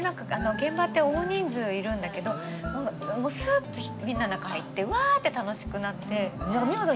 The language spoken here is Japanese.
現場って大人数いるんだけどもうすっとみんなの中入ってうわって楽しくなって。